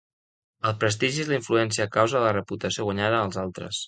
El prestigi és la influència a causa de la reputació guanyada als altres.